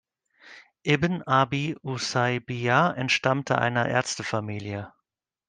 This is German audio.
Ibn Abi Usaibiʿa entstammte einer Ärztefamilie.